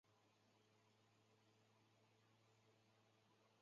祖纳因此把内政部告上法庭。